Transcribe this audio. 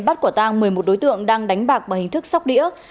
bắt quả tang một mươi một đối tượng đang đánh bạc bằng hình thức sóc đĩa